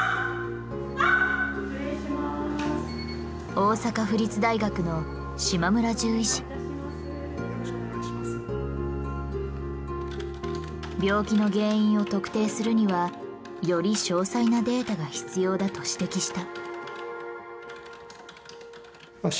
大阪府立大学の病気の原因を特定するにはより詳細なデータが必要だと指摘した。